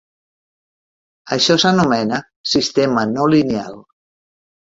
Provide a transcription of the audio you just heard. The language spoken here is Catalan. Això s'anomena "sistema no lineal".